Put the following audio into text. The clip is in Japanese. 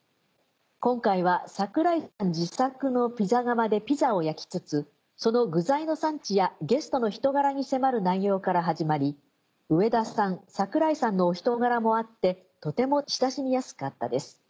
今回は櫻井さん自作のピザ窯でピザを焼きつつその具材の産地やゲストの人柄に迫る内容から始まり上田さん櫻井さんのお人柄もあってとても親しみやすかったです。